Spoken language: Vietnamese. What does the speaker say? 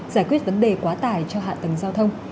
giải quyết vấn đề quá tải cho hạ tầng giao thông